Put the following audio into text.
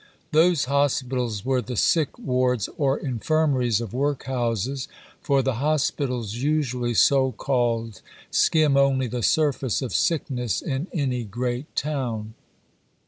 Those hospitals were the sick wards or infirmaries of workhouses, for the hospitals usually so called skim only the surface of sickness in any great town.